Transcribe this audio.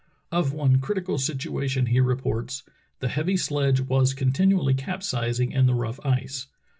Of one critical situation he reports: "The heavy sledge was continually capsizing in the rough ice.